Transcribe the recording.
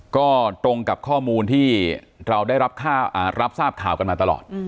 ก็ตรงกับข้อมูลที่เราได้รับทราบข่าวกันมาตลอด